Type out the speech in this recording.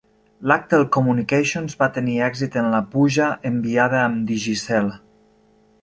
Laqtel Communications va tenir èxit en la puja enviada amb Digicel.